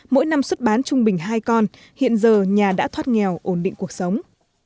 mỗi năm xuất bán trung bình hai con hiện giờ nhà đã thoát nghèo ổn định cuộc sống